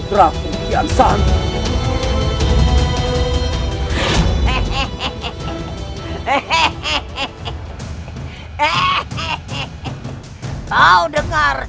sekarang giliranmu siluari